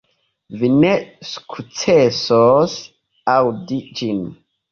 Vi ne sukcesos aŭdi ĝin.